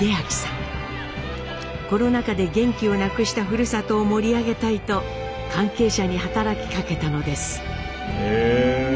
コロナ禍で元気をなくしたふるさとを盛り上げたいと関係者に働きかけたのです。